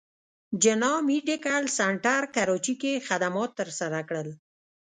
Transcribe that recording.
جناح ميډيکل سنټر کراچې کښې خدمات تر سره کړل